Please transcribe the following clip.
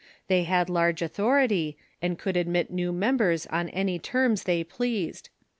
They had large authority, and could admit new members on any terms they pleased.